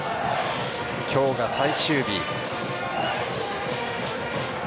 今日が最終日。